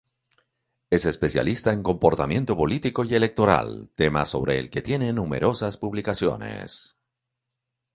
Es especialista en comportamiento político y electoral, tema sobre el que tiene numerosas publicaciones.